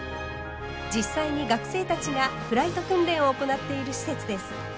実際に学生たちがフライト訓練を行っている施設です。